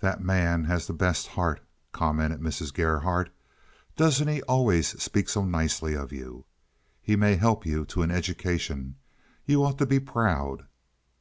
"That man has the best heart," commented Mrs. Gerhardt. "Doesn't he always speak so nicely of you? He may help you to an education. You ought to be proud."